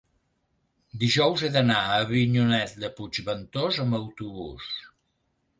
dijous he d'anar a Avinyonet de Puigventós amb autobús.